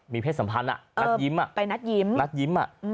มีเพศสัมพันธ์อ่ะนัดยิ้มอ่ะ